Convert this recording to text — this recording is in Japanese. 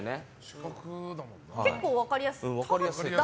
結構、分かりやすい。